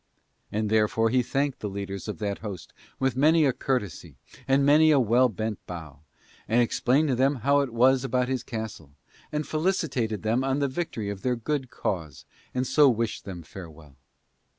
And therefore he thanked the leaders of that host with many a courtesy and many a well bent bow, and explained to them how it was about his castle, and felicitated them on the victory of their good cause, and so wished them farewell.